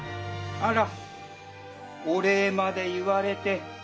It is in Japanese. あらおれいまでいわれて。